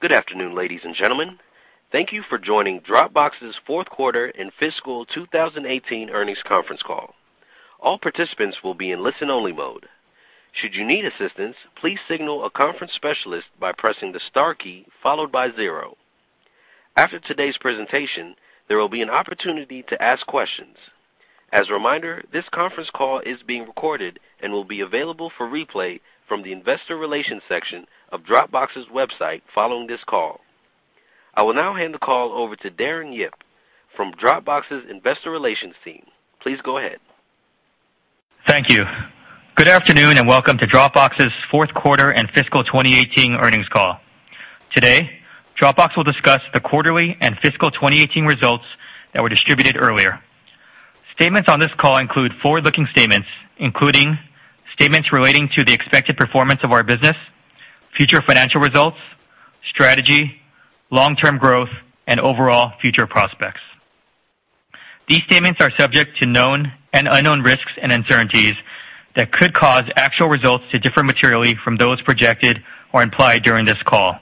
Good afternoon, ladies and gentlemen. Thank you for joining Dropbox's fourth quarter and fiscal 2018 earnings conference call. All participants will be in listen-only mode. Should you need assistance, please signal a conference specialist by pressing the star key followed by zero. After today's presentation, there will be an opportunity to ask questions. As a reminder, this conference call is being recorded and will be available for replay from the investor relations section of Dropbox's website following this call. I will now hand the call over to Darren Yip from Dropbox's investor relations team. Please go ahead. Thank you. Good afternoon and welcome to Dropbox's fourth quarter and fiscal 2018 earnings call. Today, Dropbox will discuss the quarterly and fiscal 2018 results that were distributed earlier. Statements on this call include forward-looking statements, including statements relating to the expected performance of our business, future financial results, strategy, long-term growth, and overall future prospects. These statements are subject to known and unknown risks and uncertainties that could cause actual results to differ materially from those projected or implied during this call.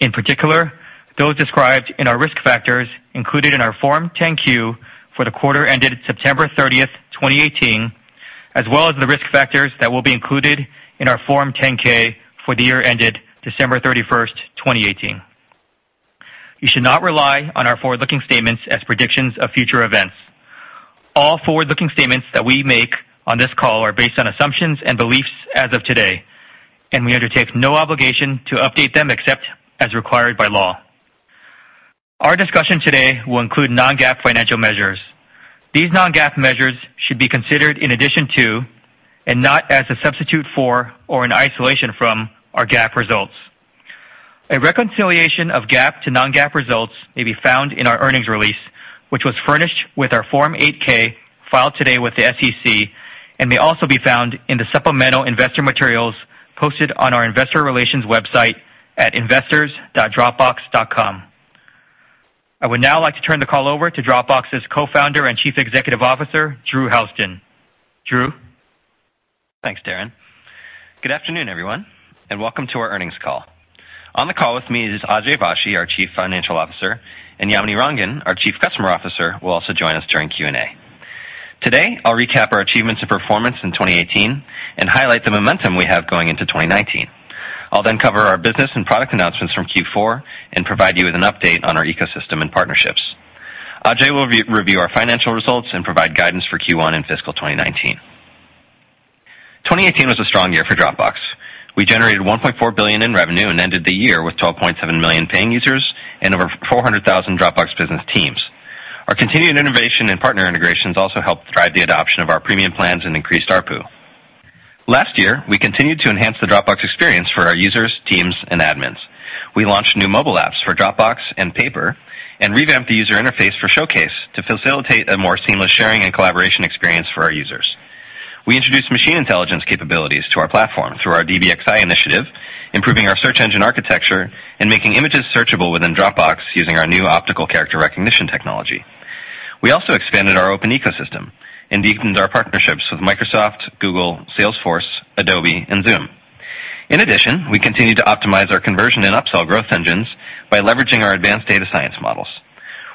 In particular, those described in our risk factors included in our Form 10-Q for the quarter ended September 30th, 2018, as well as the risk factors that will be included in our Form 10-K for the year ended December 31st, 2018. You should not rely on our forward-looking statements as predictions of future events. All forward-looking statements that we make on this call are based on assumptions and beliefs as of today, and we undertake no obligation to update them except as required by law. Our discussion today will include non-GAAP financial measures. These non-GAAP measures should be considered in addition to, and not as a substitute for or in isolation from, our GAAP results. A reconciliation of GAAP to non-GAAP results may be found in our earnings release, which was furnished with our Form 8-K filed today with the SEC and may also be found in the supplemental investor materials posted on our investor relations website at investors.dropbox.com. I would now like to turn the call over to Dropbox's co-founder and Chief Executive Officer, Drew Houston. Drew? Thanks, Darren. Good afternoon, everyone, and welcome to our earnings call. On the call with me is Ajay Vashee, our chief financial officer, and Yamini Rangan, our chief customer officer, will also join us during Q&A. Today, I'll recap our achievements and performance in 2018 and highlight the momentum we have going into 2019. I'll then cover our business and product announcements from Q4 and provide you with an update on our ecosystem and partnerships. Ajay will review our financial results and provide guidance for Q1 in fiscal 2019. 2018 was a strong year for Dropbox. We generated $1.4 billion in revenue and ended the year with 12.7 million paying users and over 400,000 Dropbox Business teams. Our continued innovation and partner integrations also helped drive the adoption of our premium plans and increased ARPU. Last year, we continued to enhance the Dropbox experience for our users, teams, and admins. We launched new mobile apps for Dropbox and Paper and revamped the user interface for Showcase to facilitate a more seamless sharing and collaboration experience for our users. We introduced machine intelligence capabilities to our platform through our DBXi initiative, improving our search engine architecture and making images searchable within Dropbox using our new optical character recognition technology. We also expanded our open ecosystem and deepened our partnerships with Microsoft, Google, Salesforce, Adobe, and Zoom. In addition, we continued to optimize our conversion and upsell growth engines by leveraging our advanced data science models.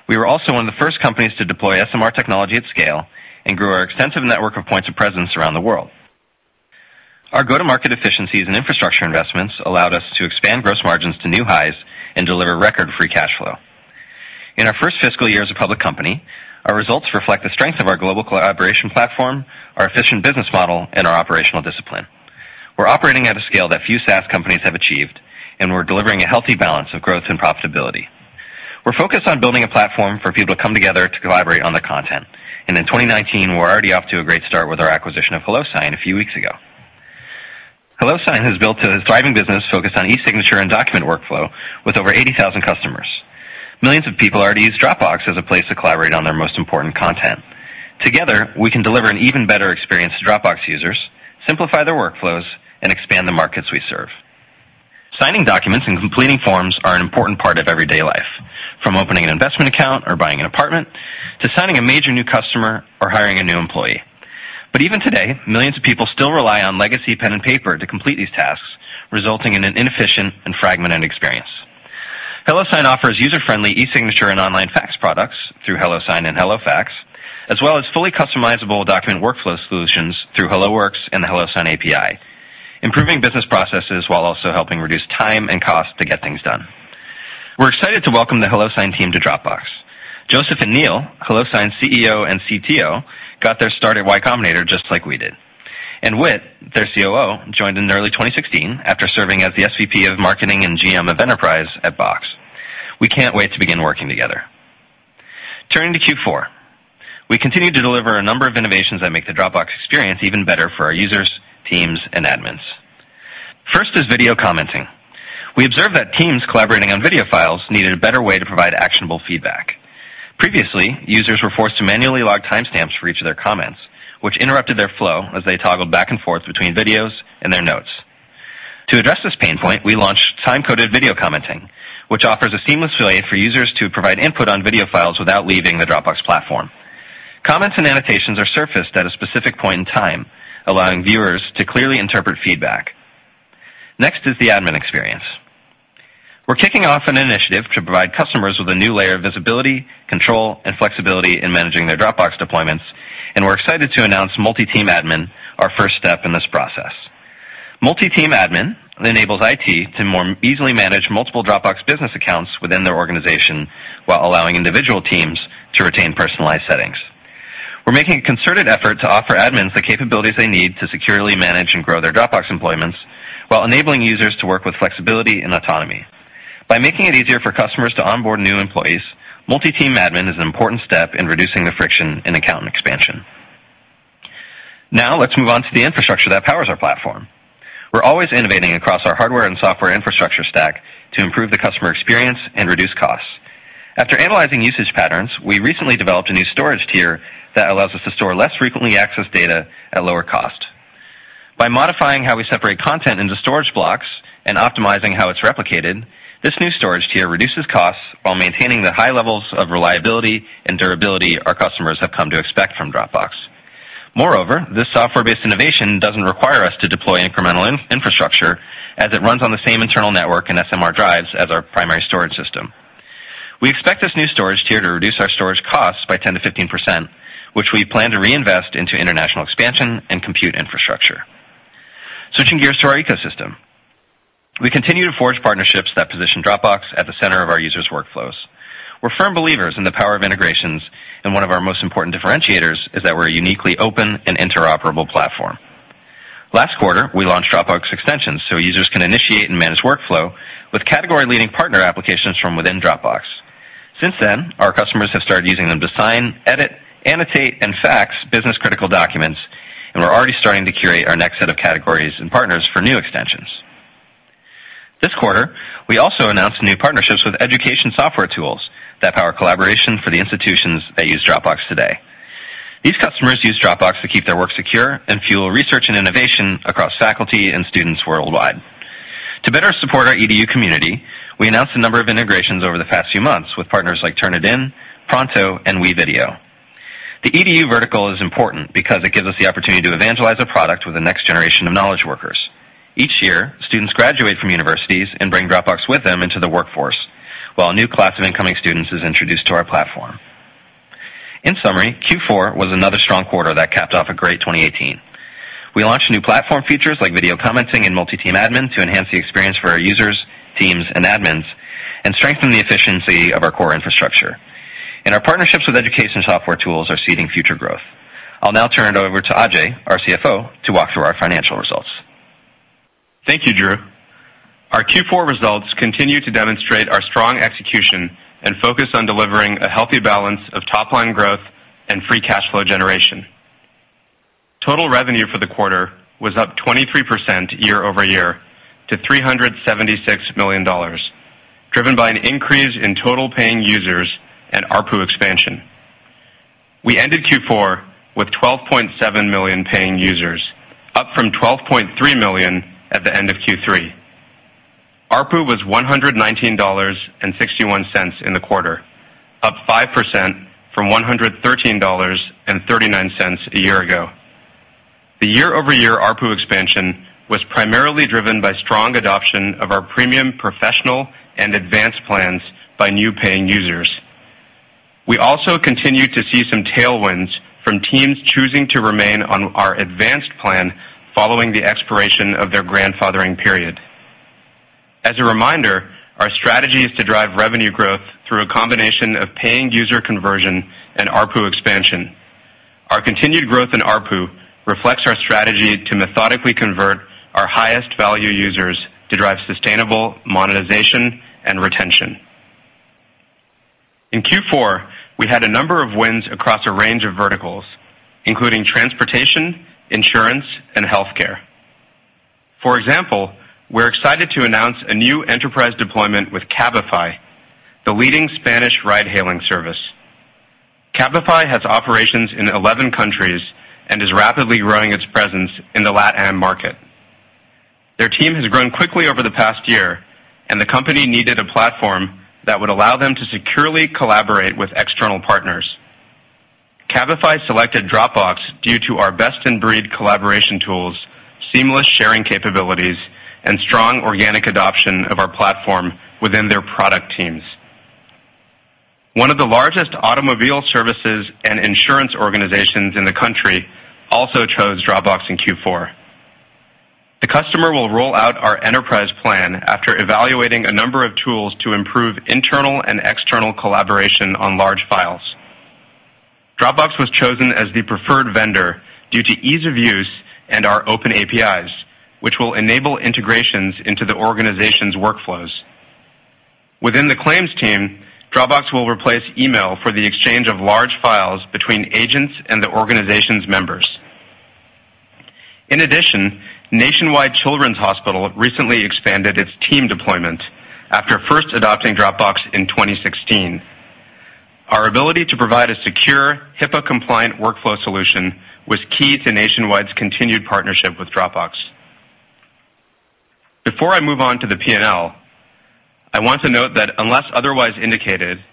We were also one of the first companies to deploy SMR technology at scale and grew our extensive network of points of presence around the world. Our go-to-market efficiencies and infrastructure investments allowed us to expand gross margins to new highs and deliver record free cash flow. In our first fiscal year as a public company, our results reflect the strength of our global collaboration platform, our efficient business model, and our operational discipline. We're operating at a scale that few SaaS companies have achieved, and we're delivering a healthy balance of growth and profitability. We're focused on building a platform for people to come together to collaborate on their content. In 2019, we're already off to a great start with our acquisition of HelloSign a few weeks ago. HelloSign has built a thriving business focused on eSignature and document workflow with over 80,000 customers. Millions of people already use Dropbox as a place to collaborate on their most important content. Together, we can deliver an even better experience to Dropbox users, simplify their workflows, and expand the markets we serve. Signing documents and completing forms are an important part of everyday life, from opening an investment account or buying an apartment, to signing a major new customer or hiring a new employee. Even today, millions of people still rely on legacy pen and paper to complete these tasks, resulting in an inefficient and fragmented experience. HelloSign offers user-friendly eSignature and online fax products through HelloSign and HelloFax, as well as fully customizable document workflow solutions through HelloWorks and the HelloSign API, improving business processes while also helping reduce time and cost to get things done. We're excited to welcome the HelloSign team to Dropbox. Joseph and Neal, HelloSign's CEO and CTO, got their start at Y Combinator, just like we did. Whit, their COO, joined in early 2016 after serving as the SVP of marketing and GM of enterprise at Box. We can't wait to begin working together. Turning to Q4, we continued to deliver a number of innovations that make the Dropbox experience even better for our users, teams, and admins. First is video commenting. We observed that teams collaborating on video files needed a better way to provide actionable feedback. Previously, users were forced to manually log timestamps for each of their comments, which interrupted their flow as they toggled back and forth between videos and their notes. To address this pain point, we launched Time-coded video commenting, which offers a seamless way for users to provide input on video files without leaving the Dropbox platform. Comments and annotations are surfaced at a specific point in time, allowing viewers to clearly interpret feedback. Next is the admin experience. We're kicking off an initiative to provide customers with a new layer of visibility, control, and flexibility in managing their Dropbox deployments, and we're excited to announce Multi-Team Admin, our first step in this process. Multi-Team Admin enables IT to more easily manage multiple Dropbox Business accounts within their organization while allowing individual teams to retain personalized settings. We're making a concerted effort to offer admins the capabilities they need to securely manage and grow their Dropbox deployments while enabling users to work with flexibility and autonomy. By making it easier for customers to onboard new employees, Multi-Team Admin is an important step in reducing the friction in account expansion. Let's move on to the infrastructure that powers our platform. We're always innovating across our hardware and software infrastructure stack to improve the customer experience and reduce costs. After analyzing usage patterns, we recently developed a new storage tier that allows us to store less frequently accessed data at lower cost. By modifying how we separate content into storage blocks and optimizing how it's replicated, this new storage tier reduces costs while maintaining the high levels of reliability and durability our customers have come to expect from Dropbox. Moreover, this software-based innovation doesn't require us to deploy incremental infrastructure as it runs on the same internal network and SMR drives as our primary storage system. We expect this new storage tier to reduce our storage costs by 10%-15%, which we plan to reinvest into international expansion and compute infrastructure. Switching gears to our ecosystem. We continue to forge partnerships that position Dropbox at the center of our users' workflows. We're firm believers in the power of integrations, one of our most important differentiators is that we're a uniquely open and interoperable platform. Last quarter, we launched Dropbox Extensions so users can initiate and manage workflow with category-leading partner applications from within Dropbox. Since then, our customers have started using them to sign, edit, annotate, and fax business-critical documents, and we're already starting to curate our next set of categories and partners for new extensions. This quarter, we also announced new partnerships with education software tools that power collaboration for the institutions that use Dropbox today. These customers use Dropbox to keep their work secure and fuel research and innovation across faculty and students worldwide. To better support our EDU community, we announced a number of integrations over the past few months with partners like Turnitin, Pronto, and WeVideo. The EDU vertical is important because it gives us the opportunity to evangelize a product with the next generation of knowledge workers. Each year, students graduate from universities and bring Dropbox with them into the workforce while a new class of incoming students is introduced to our platform. In summary, Q4 was another strong quarter that capped off a great 2018. We launched new platform features like video commenting and Multi-Team Admin to enhance the experience for our users, teams, and admins, and strengthen the efficiency of our core infrastructure. Our partnerships with education software tools are seeding future growth. I'll now turn it over to Ajay, our CFO, to walk through our financial results. Thank you, Drew. Our Q4 results continue to demonstrate our strong execution and focus on delivering a healthy balance of top-line growth and free cash flow generation. Total revenue for the quarter was up 23% year-over-year to $376 million, driven by an increase in total paying users and ARPU expansion. We ended Q4 with 12.7 million paying users, up from 12.3 million at the end of Q3. ARPU was $119.61 in the quarter, up 5% from $113.39 a year ago. The year-over-year ARPU expansion was primarily driven by strong adoption of our premium Professional and Advanced plans by new paying users. We also continued to see some tailwinds from teams choosing to remain on our Advanced plan following the expiration of their grandfathering period. As a reminder, our strategy is to drive revenue growth through a combination of paying user conversion and ARPU expansion. Our continued growth in ARPU reflects our strategy to methodically convert our highest value users to drive sustainable monetization and retention. In Q4, we had a number of wins across a range of verticals, including transportation, insurance, and healthcare. For example, we are excited to announce a new enterprise deployment with Cabify, the leading Spanish ride-hailing service. Cabify has operations in 11 countries and is rapidly growing its presence in the LatAm market. Their team has grown quickly over the past year, and the company needed a platform that would allow them to securely collaborate with external partners. Cabify selected Dropbox due to our best-in-breed collaboration tools, seamless sharing capabilities, and strong organic adoption of our platform within their product teams. One of the largest automobile services and insurance organizations in the country also chose Dropbox in Q4. The customer will roll out our enterprise plan after evaluating a number of tools to improve internal and external collaboration on large files. Dropbox was chosen as the preferred vendor due to ease of use and our open APIs, which will enable integrations into the organization's workflows. Within the claims team, Dropbox will replace email for the exchange of large files between agents and the organization's members. In addition, Nationwide Children's Hospital recently expanded its team deployment after first adopting Dropbox in 2016. Our ability to provide a secure HIPAA-compliant workflow solution was key to Nationwide's continued partnership with Dropbox. Before I move on to the P&L, I want to note that unless otherwise indicated,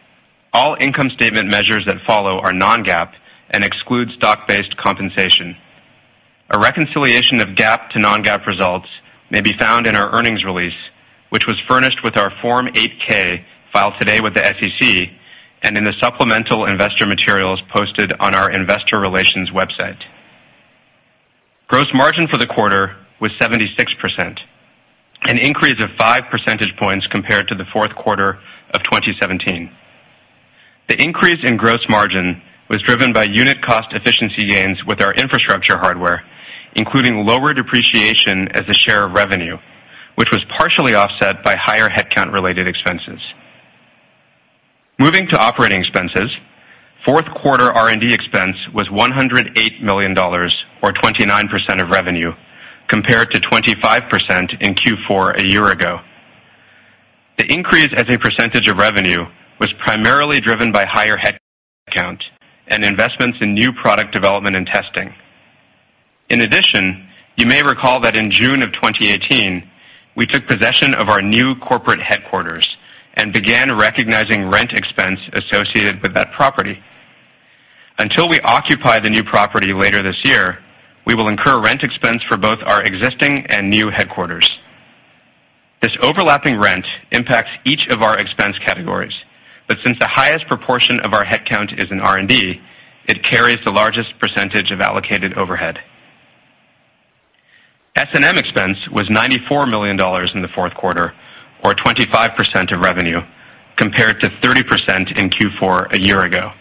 all income statement measures that follow are non-GAAP and exclude stock-based compensation. A reconciliation of GAAP to non-GAAP results may be found in our earnings release, which was furnished with our Form 8-K filed today with the SEC and in the supplemental investor materials posted on our investor relations website. Gross margin for the quarter was 76%, an increase of five percentage points compared to the fourth quarter of 2017. The increase in gross margin was driven by unit cost efficiency gains with our infrastructure hardware, including lower depreciation as a share of revenue, which was partially offset by higher headcount-related expenses. Moving to operating expenses, fourth quarter R&D expense was $108 million, or 29% of revenue, compared to 25% in Q4 a year ago. The increase as a percentage of revenue was primarily driven by higher headcount and investments in new product development and testing. In addition, you may recall that in June of 2018, we took possession of our new corporate headquarters and began recognizing rent expense associated with that property. Until we occupy the new property later this year, we will incur rent expense for both our existing and new headquarters. This overlapping rent impacts each of our expense categories, but since the highest proportion of our headcount is in R&D, it carries the largest percentage of allocated overhead. S&M expense was $94 million in the fourth quarter, or 25% of revenue, compared to 30% in Q4 a year ago.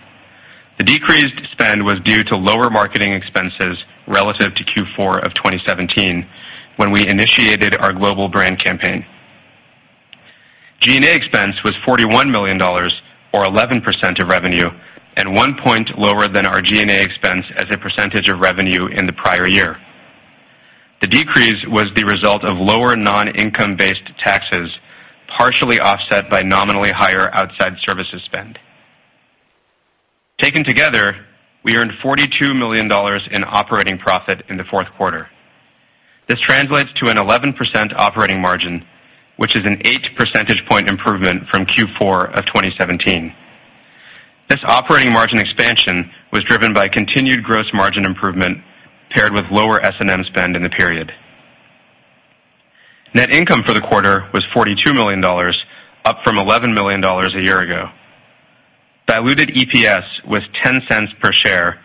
The decreased spend was due to lower marketing expenses relative to Q4 of 2017, when we initiated our global brand campaign. G&A expense was $41 million, or 11% of revenue, and one point lower than our G&A expense as a percentage of revenue in the prior year. The decrease was the result of lower non-income-based taxes, partially offset by nominally higher outside services spend. Taken together, we earned $42 million in operating profit in the fourth quarter. This translates to an 11% operating margin, which is an eight percentage point improvement from Q4 of 2017. This operating margin expansion was driven by continued gross margin improvement paired with lower S&M spend in the period. Net income for the quarter was $42 million, up from $11 million a year ago. Diluted EPS was $0.10 per share,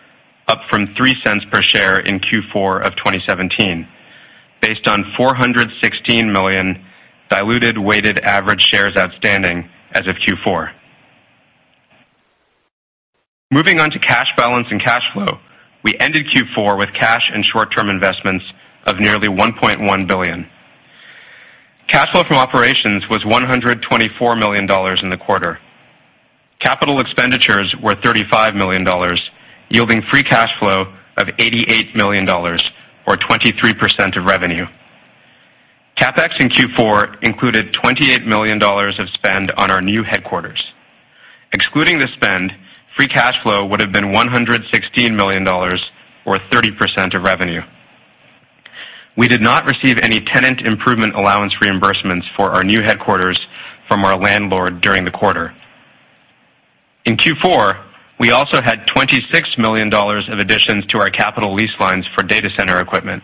up from $0.03 per share in Q4 of 2017, based on 416 million diluted weighted average shares outstanding as of Q4. Moving on to cash balance and cash flow, we ended Q4 with cash and short-term investments of nearly $1.1 billion. Cash flow from operations was $124 million in the quarter. Capital expenditures were $35 million, yielding free cash flow of $88 million, or 23% of revenue. CapEx in Q4 included $28 million of spend on our new headquarters. Excluding the spend, free cash flow would have been $116 million, or 30% of revenue. We did not receive any tenant improvement allowance reimbursements for our new headquarters from our landlord during the quarter. In Q4, we also had $26 million of additions to our capital lease lines for data center equipment.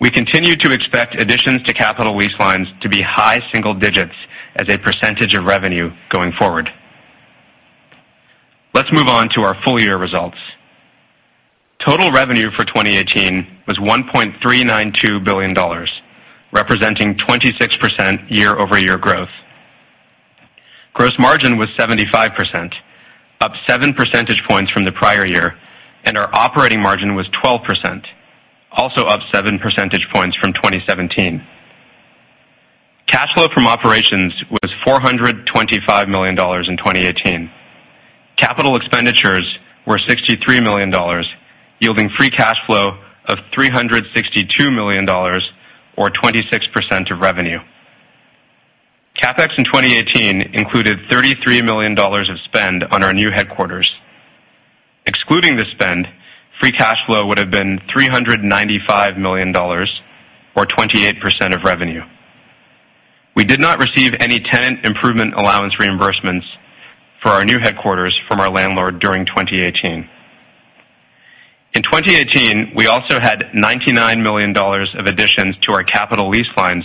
We continue to expect additions to capital lease lines to be high single digits as a percentage of revenue going forward. Let's move on to our full-year results. Total revenue for 2018 was $1.392 billion, representing 26% year-over-year growth. Gross margin was 75%, up seven percentage points from the prior year, and our operating margin was 12%, also up seven percentage points from 2017. Cash flow from operations was $425 million in 2018. Capital expenditures were $63 million, yielding free cash flow of $362 million, or 26% of revenue. CapEx in 2018 included $33 million of spend on our new headquarters. Excluding the spend, free cash flow would have been $395 million, or 28% of revenue. We did not receive any tenant improvement allowance reimbursements for our new headquarters from our landlord during 2018. In 2018, we also had $99 million of additions to our capital lease lines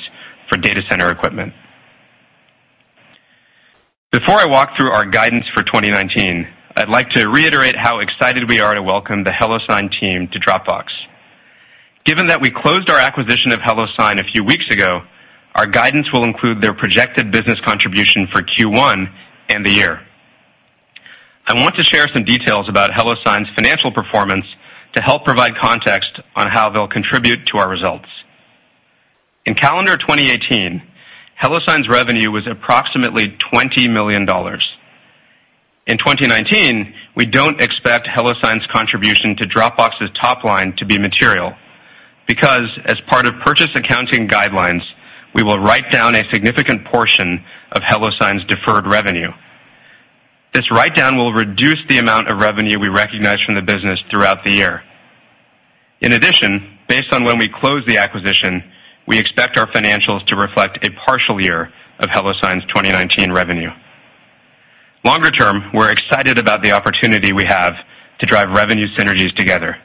for data center equipment. Before I walk through our guidance for 2019, I'd like to reiterate how excited we are to welcome the HelloSign team to Dropbox. Given that we closed our acquisition of HelloSign a few weeks ago, our guidance will include their projected business contribution for Q1 and the year. I want to share some details about HelloSign's financial performance to help provide context on how they'll contribute to our results. In calendar 2018, HelloSign's revenue was approximately $20 million. In 2019, we don't expect HelloSign's contribution to Dropbox's top line to be material. Because as part of purchase accounting guidelines, we will write down a significant portion of HelloSign's deferred revenue. This write-down will reduce the amount of revenue we recognize from the business throughout the year. In addition, based on when we close the acquisition, we expect our financials to reflect a partial year of HelloSign's 2019 revenue. Longer term, we're excited about the opportunity we have to drive revenue synergies together.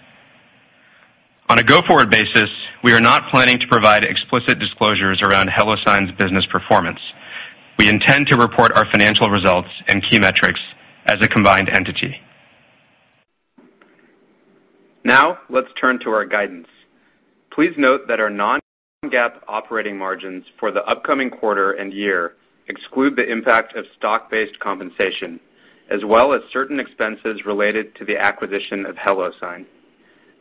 On a go-forward basis, we are not planning to provide explicit disclosures around HelloSign's business performance. We intend to report our financial results and key metrics as a combined entity. Let's turn to our guidance. Please note that our non-GAAP operating margins for the upcoming quarter and year exclude the impact of stock-based compensation, as well as certain expenses related to the acquisition of HelloSign.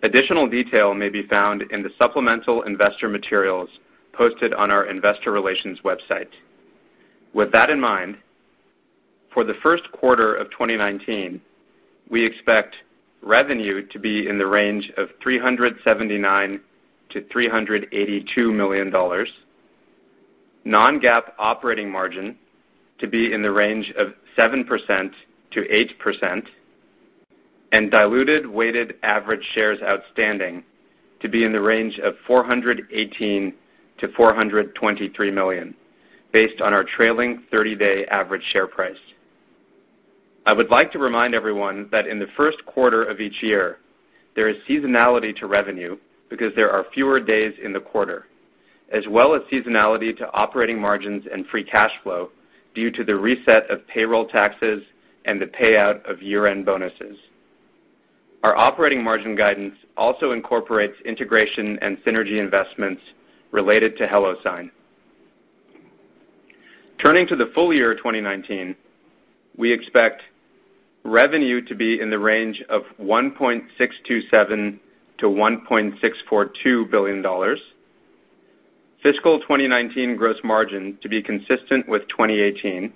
Additional detail may be found in the supplemental investor materials posted on our investor relations website. With that in mind, for the first quarter of 2019, we expect revenue to be in the range of $379 million-$382 million, non-GAAP operating margin to be in the range of 7%-8%, and diluted weighted average shares outstanding to be in the range of 418 million-423 million, based on our trailing 30-day average share price. I would like to remind everyone that in the first quarter of each year, there is seasonality to revenue because there are fewer days in the quarter, as well as seasonality to operating margins and free cash flow due to the reset of payroll taxes and the payout of year-end bonuses. Our operating margin guidance also incorporates integration and synergy investments related to HelloSign. Turning to the full year 2019, we expect revenue to be in the range of $1.627 billion-$1.642 billion, fiscal 2019 gross margin to be consistent with 2018,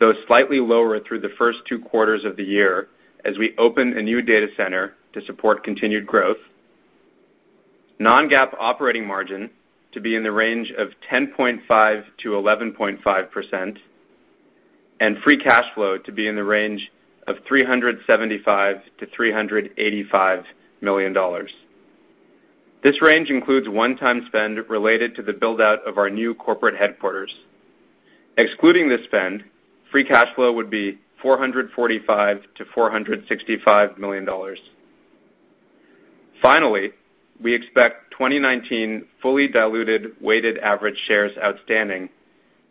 though slightly lower through the first two quarters of the year as we open a new data center to support continued growth, non-GAAP operating margin to be in the range of 10.5%-11.5%, and free cash flow to be in the range of $375 million-$385 million. This range includes one-time spend related to the build-out of our new corporate headquarters. Excluding this spend, free cash flow would be $445 million-$465 million. Finally, we expect 2019 fully diluted weighted average shares outstanding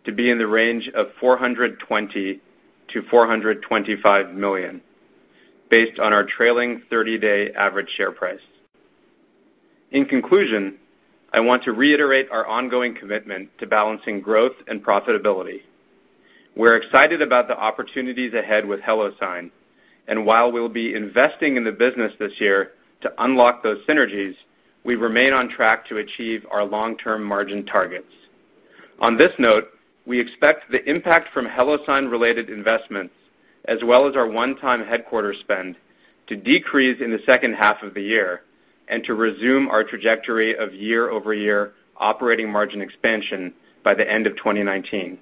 to be in the range of 420 million-425 million, based on our trailing 30-day average share price. In conclusion, I want to reiterate our ongoing commitment to balancing growth and profitability. We're excited about the opportunities ahead with HelloSign, and while we'll be investing in the business this year to unlock those synergies, we remain on track to achieve our long-term margin targets. On this note, we expect the impact from HelloSign-related investments, as well as our one-time headquarter spend, to decrease in the second half of the year and to resume our trajectory of year-over-year operating margin expansion by the end of 2019.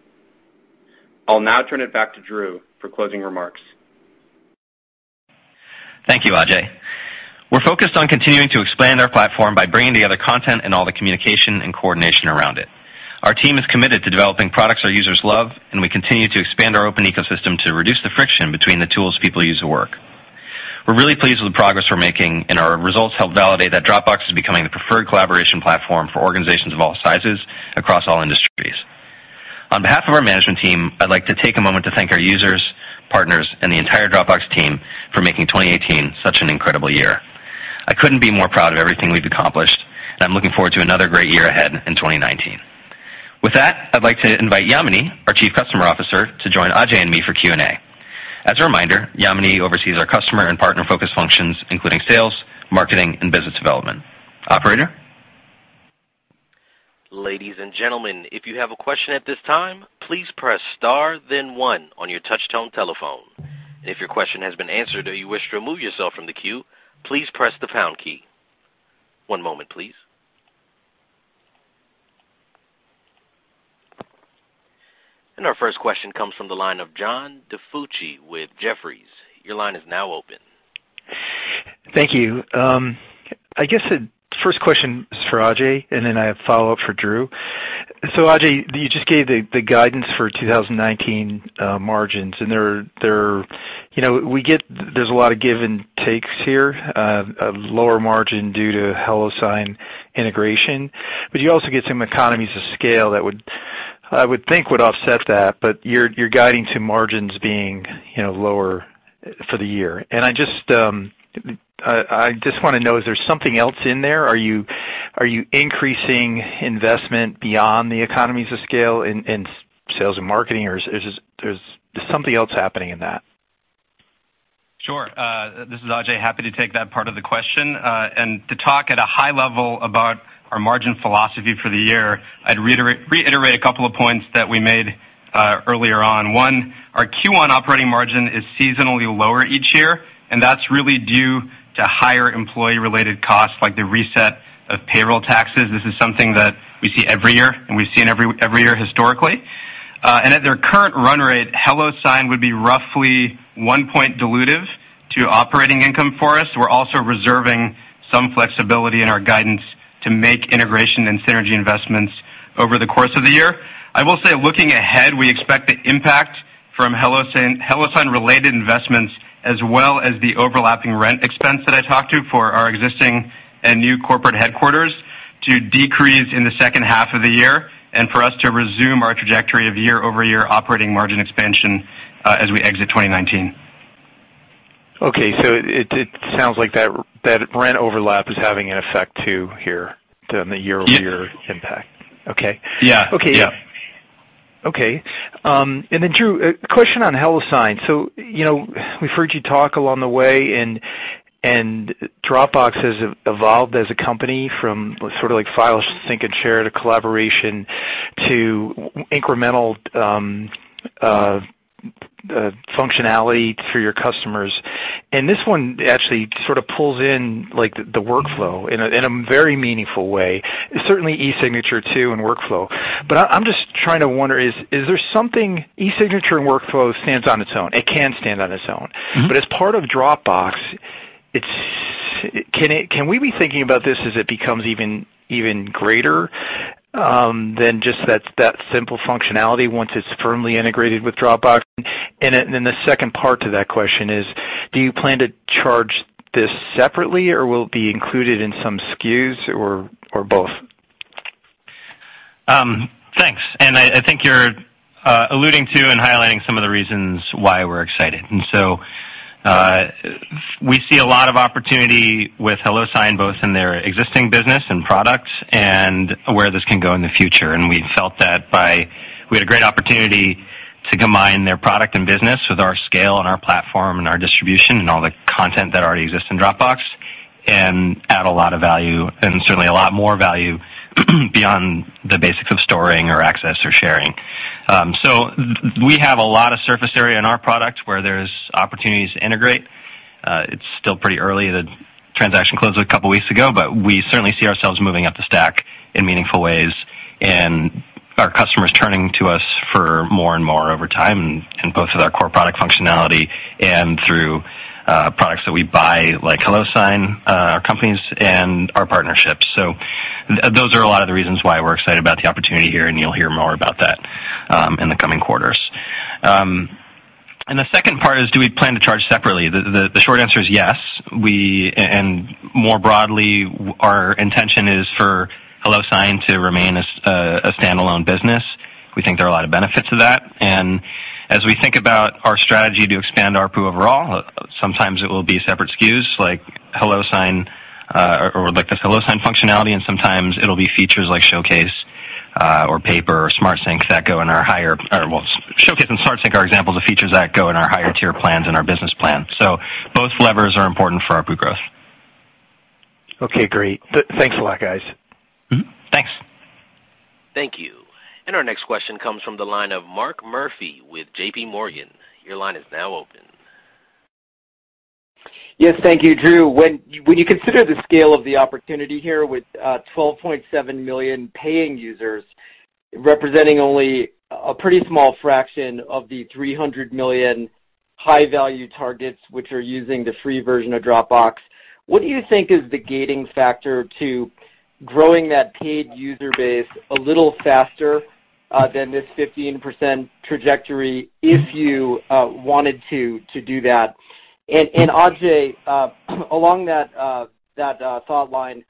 I'll now turn it back to Drew for closing remarks. Thank you, Ajay. We're focused on continuing to expand our platform by bringing together content and all the communication and coordination around it. Our team is committed to developing products our users love, and we continue to expand our open ecosystem to reduce the friction between the tools people use to work. We're really pleased with the progress we're making, and our results help validate that Dropbox is becoming the preferred collaboration platform for organizations of all sizes across all industries. On behalf of our management team, I'd like to take a moment to thank our users, partners, and the entire Dropbox team for making 2018 such an incredible year. I couldn't be more proud of everything we've accomplished, and I'm looking forward to another great year ahead in 2019. With that, I'd like to invite Yamini, our Chief Customer Officer, to join Ajay and me for Q&A. As a reminder, Yamini oversees our customer and partner focus functions, including sales, marketing, and business development. Operator? Ladies and gentlemen, if you have a question at this time, please press star then one on your touch tone telephone. If your question has been answered or you wish to remove yourself from the queue, please press the pound key. One moment, please. Our first question comes from the line of John DiFucci with Jefferies. Your line is now open. Thank you. I guess the first question is for Ajay Vashee, then I have follow-up for Drew Houston. Ajay Vashee, you just gave the guidance for 2019 margins. There's a lot of give and takes here of lower margin due to HelloSign integration, but you also get some economies of scale that I would think would offset that, but you're guiding to margins being lower for the year. I just want to know, is there something else in there? Are you increasing investment beyond the economies of scale in sales and marketing, or is something else happening in that? Sure. This is Ajay. Happy to take that part of the question. To talk at a high level about our margin philosophy for the year, I'd reiterate a couple of points that we made earlier on. Our Q1 operating margin is seasonally lower each year, that's really due to higher employee-related costs, like the reset of payroll taxes. This is something that we see every year, we've seen every year historically. At their current run rate, HelloSign would be roughly one point dilutive to operating income for us. We're also reserving some flexibility in our guidance to make integration and synergy investments over the course of the year. I will say, looking ahead, we expect the impact from HelloSign-related investments as well as the overlapping rent expense that I talked to for our existing and new corporate headquarters to decrease in the second half of the year, for us to resume our trajectory of year-over-year operating margin expansion as we exit 2019. Okay, it sounds like that rent overlap is having an effect too here on the year-over-year impact. Yes. Okay. Yeah. Drew, a question on HelloSign. We've heard you talk along the way, and Dropbox has evolved as a company from sort of file sync and share to collaboration to incremental functionality through your customers. This one actually sort of pulls in the workflow in a very meaningful way. Certainly eSignature too, and workflow. I'm just trying to wonder, is there something, eSignature and workflow stands on its own. It can stand on its own. As part of Dropbox, can we be thinking about this as it becomes even greater than just that simple functionality once it's firmly integrated with Dropbox? The second part to that question is, do you plan to charge this separately, or will it be included in some SKUs, or both? Thanks. I think you're alluding to and highlighting some of the reasons why we're excited. We see a lot of opportunity with HelloSign, both in their existing business and products, and where this can go in the future. We felt that we had a great opportunity to combine their product and business with our scale and our platform and our distribution and all the content that already exists in Dropbox, and add a lot of value, and certainly a lot more value beyond the basics of storing or access or sharing. We have a lot of surface area in our product where there's opportunities to integrate. It's still pretty early. The transaction closed a couple of weeks ago, we certainly see ourselves moving up the stack in meaningful ways, and our customers turning to us for more and more over time, both with our core product functionality and through products that we buy, like HelloSign, our companies, and our partnerships. Those are a lot of the reasons why we're excited about the opportunity here, and you'll hear more about that in the coming quarters. The second part is, do we plan to charge separately? The short answer is yes. More broadly, our intention is for HelloSign to remain a standalone business. We think there are a lot of benefits to that. As we think about our strategy to expand ARPU overall, sometimes it will be separate SKUs, like this HelloSign functionality, and sometimes it'll be features like Showcase or Paper or Smart Sync. Showcase and Smart Sync are examples of features that go in our higher tier plans and our Business plan. Both levers are important for ARPU growth. Okay, great. Thanks a lot, guys. Thanks. Thank you. Our next question comes from the line of Mark Murphy with J.P. Morgan. Your line is now open. Yes. Thank you, Drew. When you consider the scale of the opportunity here with 12.7 million paying users representing only a pretty small fraction of the 300 million high-value targets which are using the free version of Dropbox, what do you think is the gating factor to growing that paid user base a little faster than this 15% trajectory if you wanted to do that? Ajay, along that thought line,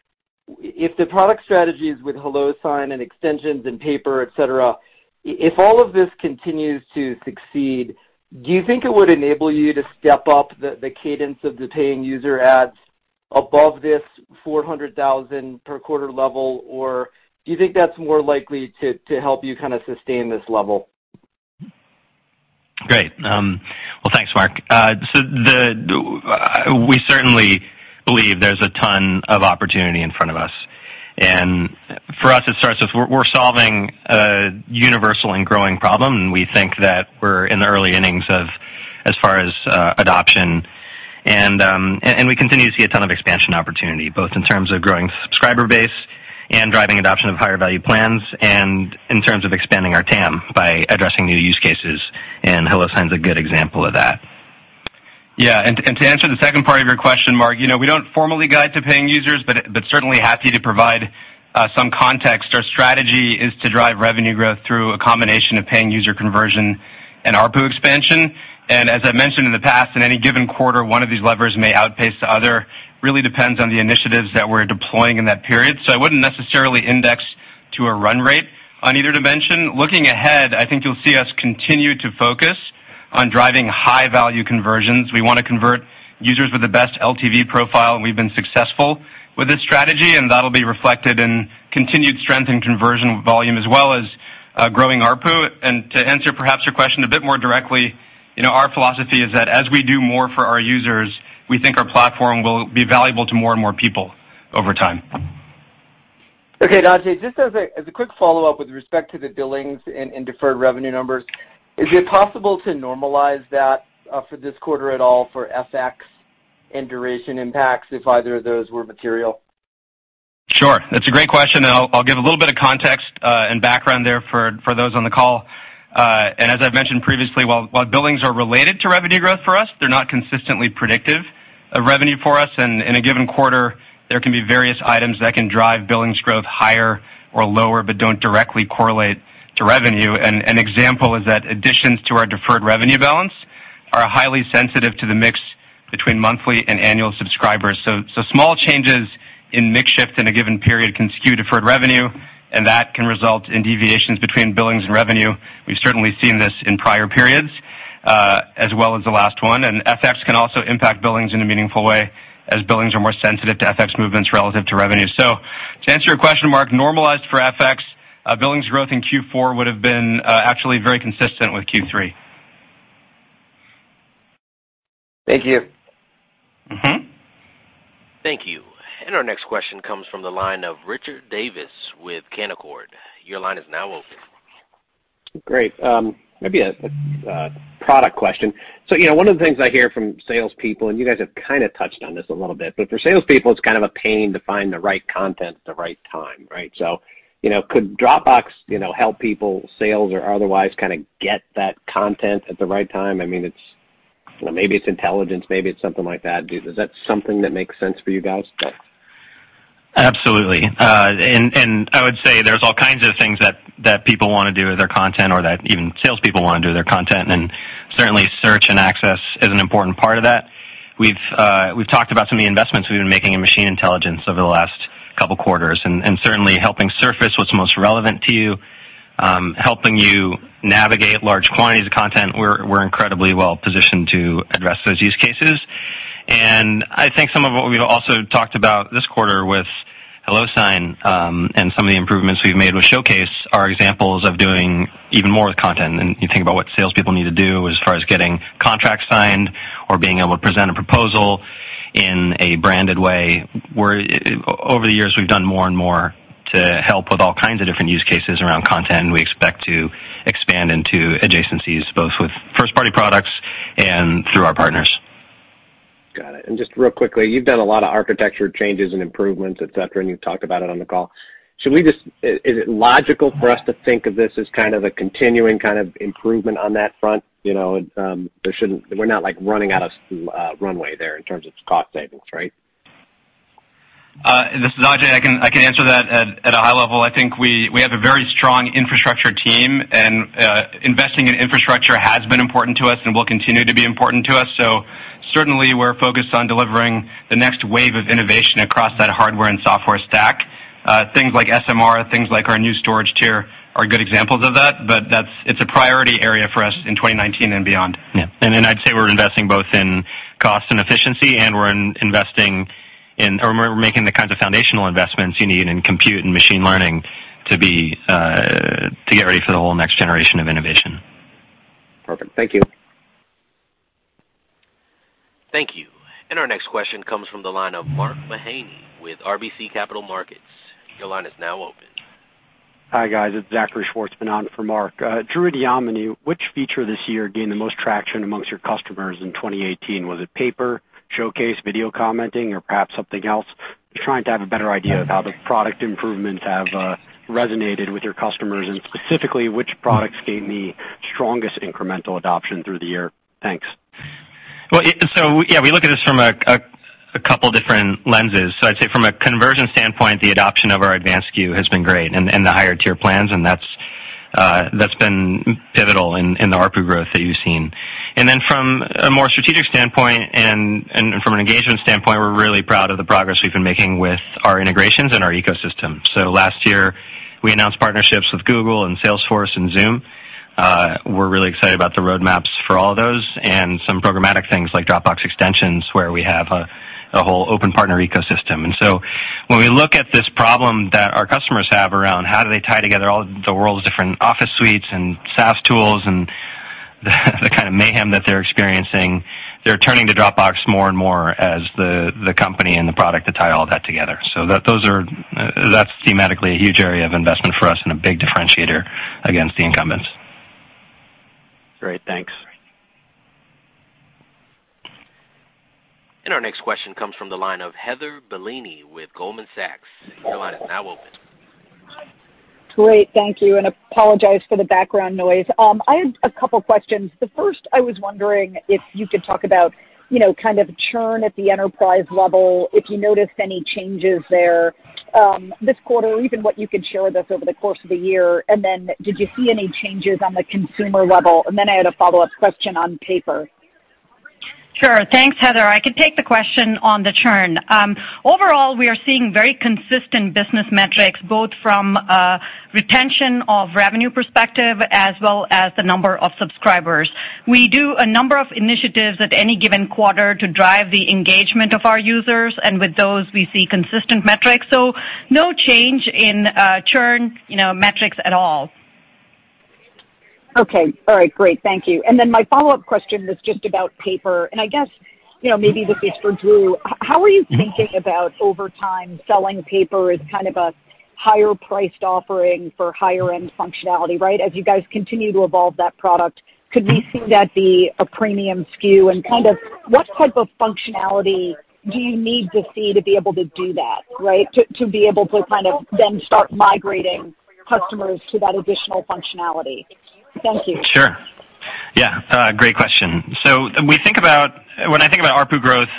if the product strategies with HelloSign and Extensions and Paper, et cetera, if all of this continues to succeed, do you think it would enable you to step up the cadence of the paying user adds above this 400,000 per quarter level, or do you think that's more likely to help you kind of sustain this level? Great. Well, thanks, Mark. We certainly believe there's a ton of opportunity in front of us. For us, it starts with we're solving a universal and growing problem, and we think that we're in the early innings as far as adoption. We continue to see a ton of expansion opportunity, both in terms of growing subscriber base and driving adoption of higher value plans, and in terms of expanding our TAM by addressing new use cases, and HelloSign's a good example of that. Yeah, to answer the second part of your question, Mark, we don't formally guide to paying users, but certainly happy to provide some context. Our strategy is to drive revenue growth through a combination of paying user conversion and ARPU expansion. As I've mentioned in the past, in any given quarter, one of these levers may outpace the other. Really depends on the initiatives that we're deploying in that period. I wouldn't necessarily index to a run rate on either dimension. Looking ahead, I think you'll see us continue to focus on driving high-value conversions. We want to convert users with the best LTV profile, and we've been successful with this strategy, and that'll be reflected in continued strength in conversion volume as well as growing ARPU. To answer perhaps your question a bit more directly, our philosophy is that as we do more for our users, we think our platform will be valuable to more and more people over time. Okay, Ajay, just as a quick follow-up with respect to the billings and deferred revenue numbers, is it possible to normalize that for this quarter at all for FX and duration impacts if either of those were material? Sure. That's a great question. I'll give a little bit of context and background there for those on the call. As I've mentioned previously, while billings are related to revenue growth for us, they're not consistently predictive of revenue for us. In a given quarter, there can be various items that can drive billings growth higher or lower, but don't directly correlate to revenue. An example is that additions to our deferred revenue balance are highly sensitive to the mix between monthly and annual subscribers. Small changes in mix shift in a given period can skew deferred revenue, and that can result in deviations between billings and revenue. We've certainly seen this in prior periods, as well as the last one. FX can also impact billings in a meaningful way as billings are more sensitive to FX movements relative to revenue. To answer your question, Mark, normalized for FX, billings growth in Q4 would have been actually very consistent with Q3. Thank you. Thank you. Our next question comes from the line of Richard Davis with Canaccord. Your line is now open. Great. Maybe a product question. One of the things I hear from salespeople, and you guys have kind of touched on this a little bit, but for salespeople, it's kind of a pain to find the right content at the right time, right? Could Dropbox help people, sales or otherwise, kind of get that content at the right time? I mean, maybe it's intelligence, maybe it's something like that. Is that something that makes sense for you guys? Absolutely. I would say there's all kinds of things that people want to do with their content, or that even salespeople want to do their content, and certainly search and access is an important part of that. We've talked about some of the investments we've been making in machine intelligence over the last couple of quarters, and certainly helping surface what's most relevant to you, helping you navigate large quantities of content. We're incredibly well-positioned to address those use cases. I think some of what we've also talked about this quarter with HelloSign, and some of the improvements we've made with Showcase are examples of doing even more with content. You think about what salespeople need to do as far as getting contracts signed or being able to present a proposal in a branded way. Over the years, we've done more and more to help with all kinds of different use cases around content, we expect to expand into adjacencies, both with first-party products and through our partners. Got it. Just real quickly, you've done a lot of architecture changes and improvements, et cetera, and you've talked about it on the call. Is it logical for us to think of this as kind of a continuing improvement on that front? We're not running out of runway there in terms of cost savings, right? This is Ajay. I can answer that at a high level. I think we have a very strong infrastructure team. Investing in infrastructure has been important to us and will continue to be important to us. Certainly, we're focused on delivering the next wave of innovation across that hardware and software stack. Things like SMR, things like our new storage tier are good examples of that. It's a priority area for us in 2019 and beyond. Yeah. I'd say we're investing both in cost and efficiency. We're making the kinds of foundational investments you need in compute and machine learning to get ready for the whole next generation of innovation. Perfect. Thank you. Thank you. Our next question comes from the line of Mark Mahaney with RBC Capital Markets. Your line is now open. Hi, guys. It's Zachary Schwartzman on for Mark. Drew and Yamini, which feature this year gained the most traction amongst your customers in 2018? Was it Paper, Showcase, video commenting, or perhaps something else? Just trying to have a better idea of how the product improvements have resonated with your customers, and specifically, which products gained the strongest incremental adoption through the year. Thanks. Yeah, we look at this from a couple of different lenses. I'd say from a conversion standpoint, the adoption of our advanced SKU has been great and the higher-tier plans, and that's been pivotal in the ARPU growth that you've seen. From a more strategic standpoint and from an engagement standpoint, we're really proud of the progress we've been making with our integrations and our ecosystem. Last year, we announced partnerships with Google and Salesforce and Zoom. We're really excited about the roadmaps for all of those and some programmatic things like Dropbox Extensions, where we have a whole open partner ecosystem. When we look at this problem that our customers have around how do they tie together all the world's different Office suites and SaaS tools and the kind of mayhem that they're experiencing, they're turning to Dropbox more and more as the company and the product to tie all that together. That's thematically a huge area of investment for us and a big differentiator against the incumbents. Great. Thanks. Our next question comes from the line of Heather Bellini with Goldman Sachs. Your line is now open. Great. Thank you, apologize for the background noise. I had a couple of questions. The first, I was wondering if you could talk about kind of churn at the enterprise level, if you noticed any changes there this quarter, or even what you could share with us over the course of the year. Did you see any changes on the consumer level? I had a follow-up question on Paper. Sure. Thanks, Heather. I can take the question on the churn. Overall, we are seeing very consistent business metrics, both from a retention of revenue perspective as well as the number of subscribers. We do a number of initiatives at any given quarter to drive the engagement of our users, and with those, we see consistent metrics. No change in churn metrics at all. Okay. All right, great. Thank you. My follow-up question was just about Paper, and I guess, maybe this is for Drew. How are you thinking about, over time, selling Paper as kind of a higher-priced offering for higher-end functionality, right? As you guys continue to evolve that product, could we see that be a premium SKU? What type of functionality do you need to see to be able to do that, right? To be able to then start migrating customers to that additional functionality. Thank you. Sure. Yeah. Great question. When I think about ARPU growth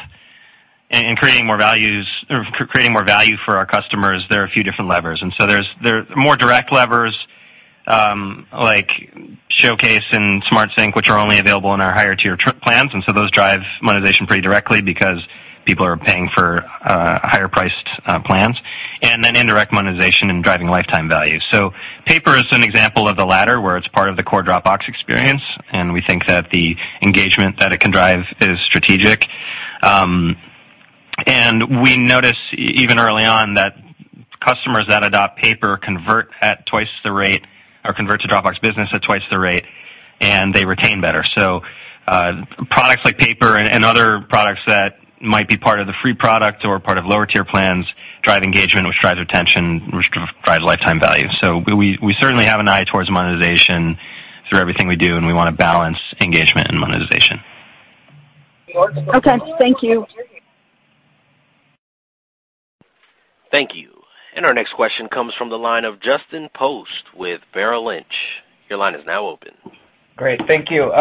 and creating more value for our customers, there are a few different levers. There are more direct levers, like Showcase and Smart Sync, which are only available in our higher-tier plans. Those drive monetization pretty directly because people are paying for higher-priced plans, and then indirect monetization and driving lifetime value. Paper is an example of the latter, where it's part of the core Dropbox experience, and we think that the engagement that it can drive is strategic. We notice even early on that customers that adopt Paper convert to Dropbox Business at twice the rate, and they retain better. Products like Paper and other products that might be part of the free product or part of lower-tier plans drive engagement, which drives retention, which drives lifetime value. We certainly have an eye towards monetization through everything we do, and we want to balance engagement and monetization. Okay, thank you. Thank you. Our next question comes from the line of Justin Post with Merrill Lynch. Your line is now open. Great. Thank you.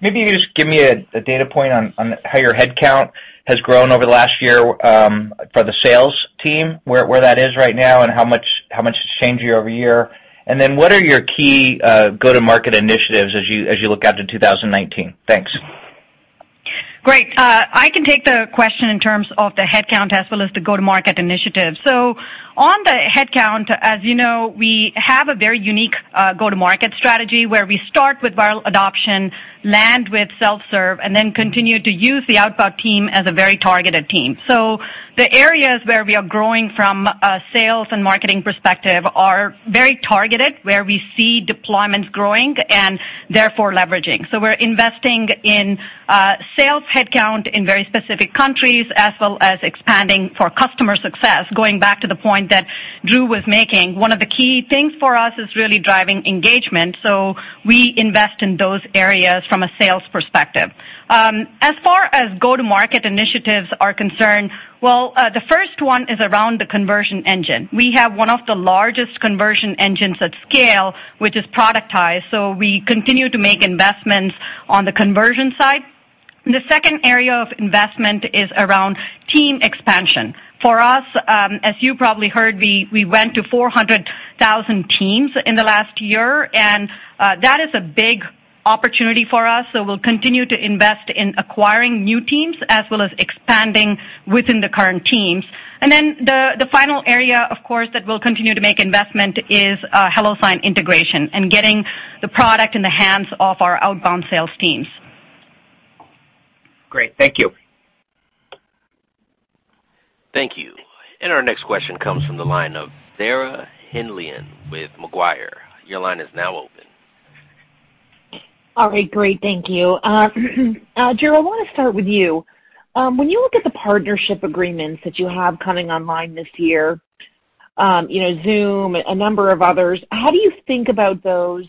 Maybe you just give me a data point on how your headcount has grown over the last year, for the sales team, where that is right now, and how much it's changed year-over-year. What are your key go-to-market initiatives as you look out to 2019? Thanks. Great. I can take the question in terms of the headcount as well as the go-to-market initiative. On the headcount, as you know, we have a very unique go-to-market strategy where we start with viral adoption, land with self-serve, and then continue to use the outbound team as a very targeted team. The areas where we are growing from a sales and marketing perspective are very targeted, where we see deployments growing and therefore leveraging. We're investing in sales headcount in very specific countries as well as expanding for customer success. Going back to the point that Drew was making, one of the key things for us is really driving engagement, so we invest in those areas from a sales perspective. As far as go-to-market initiatives are concerned, well, the first one is around the conversion engine. We have one of the largest conversion engines at scale which is productized, we continue to make investments on the conversion side. The second area of investment is around team expansion. For us, as you probably heard, we went to 400,000 teams in the last year, and that is a big opportunity for us, we'll continue to invest in acquiring new teams as well as expanding within the current teams. The final area, of course, that we'll continue to make investment is HelloSign integration and getting the product in the hands of our outbound sales teams. Great. Thank you. Thank you. Our next question comes from the line of Sarah Hindlian with Macquarie. Your line is now open. All right, great. Thank you. Drew, I want to start with you. When you look at the partnership agreements that you have coming online this year, Zoom, a number of others, how do you think about those,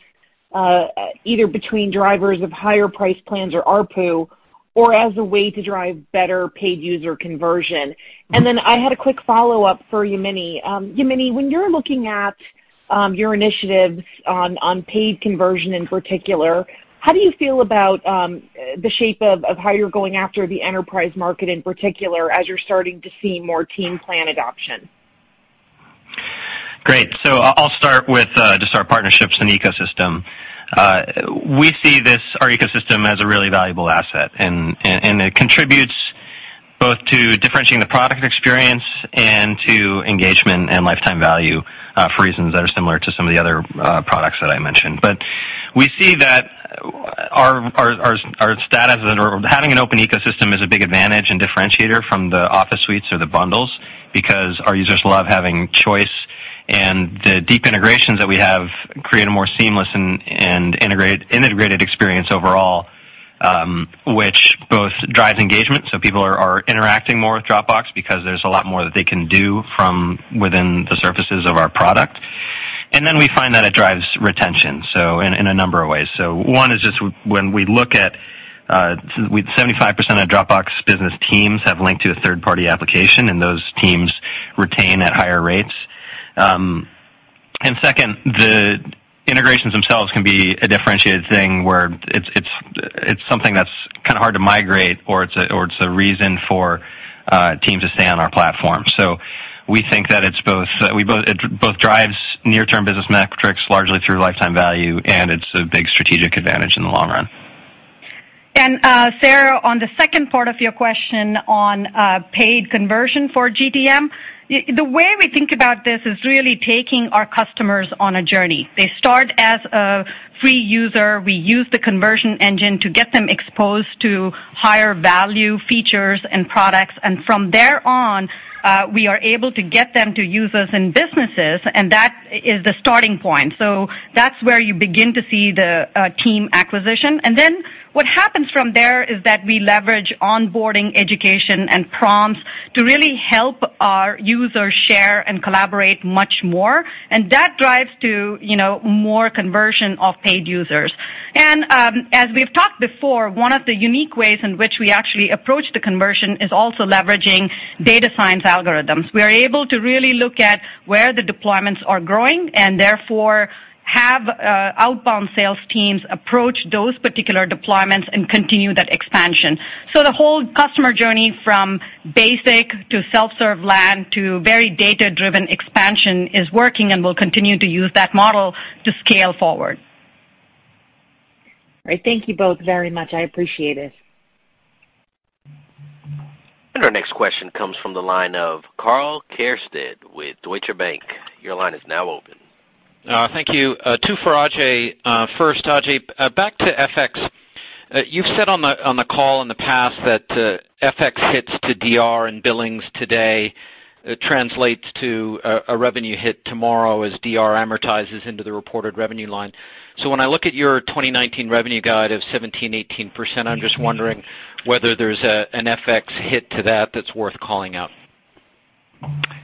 either between drivers of higher price plans or ARPU or as a way to drive better paid user conversion? Then I had a quick follow-up for Yamini. Yamini, when you're looking at your initiatives on paid conversion in particular, how do you feel about the shape of how you're going after the enterprise market in particular as you're starting to see more team plan adoption? Great. I'll start with just our partnerships and ecosystem. We see our ecosystem as a really valuable asset, and it contributes both to differentiating the product experience and to engagement and lifetime value, for reasons that are similar to some of the other products that I mentioned. We see that our status and having an open ecosystem is a big advantage and differentiator from the Office suites or the bundles because our users love having choice, and the deep integrations that we have create a more seamless and integrated experience overall, which both drives engagement, so people are interacting more with Dropbox because there's a lot more that they can do from within the surfaces of our product. Then we find that it drives retention in a number of ways. one is when we look at, 75% of Dropbox Business teams have linked to a third-party application, those teams retain at higher rates. Second, the integrations themselves can be a differentiated thing where it's something that's kind of hard to migrate, or it's a reason for teams to stay on our platform. We think that it both drives near-term business metrics largely through lifetime value, it's a big strategic advantage in the long run. Sarah, on the second part of your question on paid conversion for GTM, the way we think about this is really taking our customers on a journey. They start as a free user. We use the conversion engine to get them exposed to higher value features and products. From there on, we are able to get them to use us in businesses, that is the starting point. That's where you begin to see the team acquisition. Then what happens from there is that we leverage onboarding education and prompts to really help our users share and collaborate much more. That drives to more conversion of paid users. As we've talked before, one of the unique ways in which we actually approach the conversion is also leveraging data science algorithms. We are able to really look at where the deployments are growing and therefore have outbound sales teams approach those particular deployments and continue that expansion. The whole customer journey from basic to self-serve land to very data-driven expansion is working, and we'll continue to use that model to scale forward. All right. Thank you both very much. I appreciate it. Our next question comes from the line of Karl Keirstead with Deutsche Bank. Your line is now open. Thank you. Two for Ajay. First, Ajay back to FX. You've said on the call in the past that FX hits to DR in billings today translates to a revenue hit tomorrow as DR amortizes into the reported revenue line. When I look at your 2019 revenue guide of 17%-18%, I'm just wondering whether there's an FX hit to that that's worth calling out.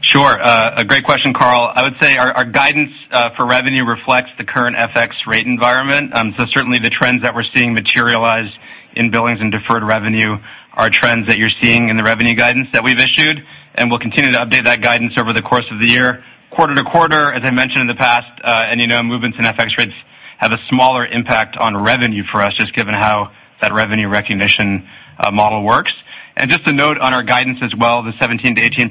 Sure. A great question, Karl. I would say our guidance for revenue reflects the current FX rate environment. Certainly the trends that we're seeing materialize in billings and deferred revenue are trends that you're seeing in the revenue guidance that we've issued, and we'll continue to update that guidance over the course of the year. Quarter-to-quarter, as I mentioned in the past, you know, movements in FX rates have a smaller impact on revenue for us, just given how that revenue recognition model works. Just a note on our guidance as well, the 17%-18%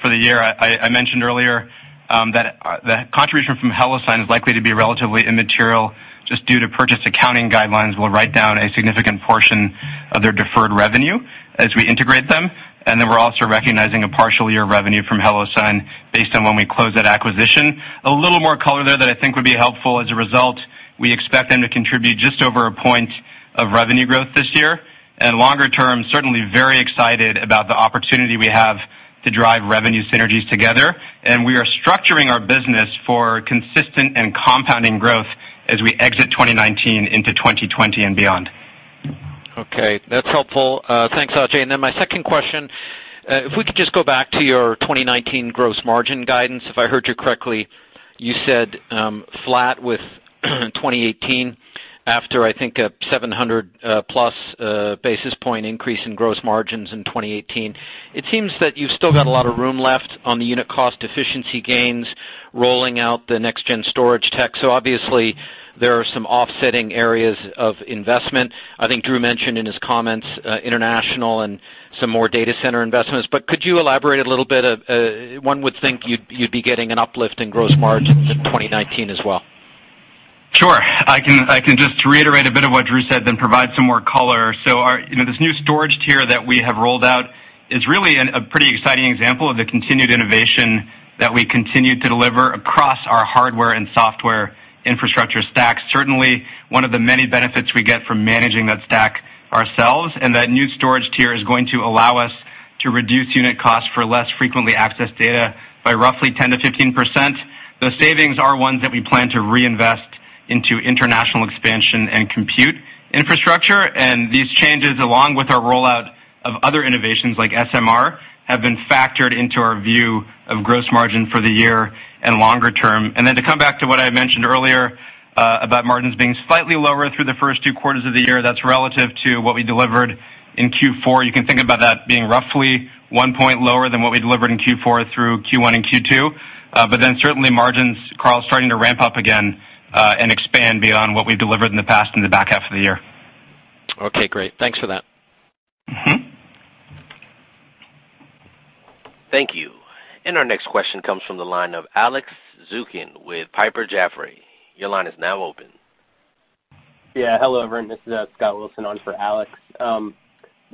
for the year, I mentioned earlier that contribution from HelloSign is likely to be relatively immaterial just due to purchase accounting guidelines. We'll write down a significant portion of their deferred revenue as we integrate them, then we're also recognizing a partial year revenue from HelloSign based on when we close that acquisition. A little more color there that I think would be helpful. As a result, we expect them to contribute just over a point of revenue growth this year. Longer term, certainly very excited about the opportunity we have to drive revenue synergies together. We are structuring our business for consistent and compounding growth as we exit 2019 into 2020 and beyond. Okay. That's helpful. Thanks, Ajay. My second question, if we could just go back to your 2019 gross margin guidance. If I heard you correctly, you said flat with 2018 after I think a 700-plus basis point increase in gross margins in 2018. It seems that you've still got a lot of room left on the unit cost efficiency gains rolling out the next-gen storage tech. Obviously, there are some offsetting areas of investment. I think Drew mentioned in his comments, international and some more data center investments. Could you elaborate a little bit? One would think you'd be getting an uplift in gross margins in 2019 as well. Sure. I can just reiterate a bit of what Drew said, provide some more color. This new storage tier that we have rolled out is really a pretty exciting example of the continued innovation that we continue to deliver across our hardware and software infrastructure stacks. Certainly, one of the many benefits we get from managing that stack ourselves, that new storage tier is going to allow us to reduce unit costs for less frequently accessed data by roughly 10%-15%. Those savings are ones that we plan to reinvest into international expansion and compute infrastructure. These changes, along with our rollout of other innovations like SMR, have been factored into our view of gross margin for the year and longer term. To come back to what I mentioned earlier about margins being slightly lower through the first two quarters of the year, that's relative to what we delivered in Q4. You can think about that being roughly one point lower than what we delivered in Q4 through Q1 and Q2. Certainly margins, Karl, starting to ramp up again, expand beyond what we've delivered in the past in the back half of the year. Okay, great. Thanks for that. Thank you. Our next question comes from the line of Alex Zukin with Piper Jaffray. Your line is now open. Yeah. Hello, everyone. This is Scott Wilson on for Alex.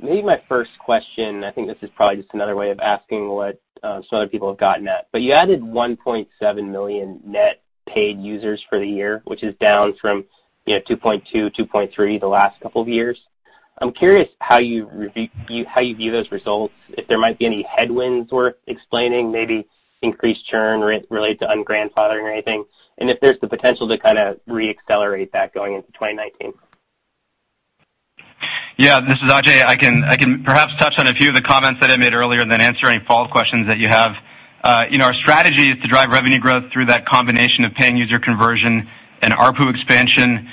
Maybe my first question, I think this is probably just another way of asking what some other people have gotten at. You added 1.7 million net paid users for the year, which is down from 2.2., 2.3 the last couple of years. I'm curious how you view those results, if there might be any headwinds worth explaining, maybe increased churn related to un-grandfathering or anything, and if there's the potential to kind of re-accelerate that going into 2019. Yeah. This is Ajay. I can perhaps touch on a few of the comments that I made earlier and then answer any follow-up questions that you have. Our strategy is to drive revenue growth through that combination of paying user conversion and ARPU expansion.